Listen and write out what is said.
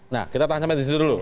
nah kita tahan sampai disitu dulu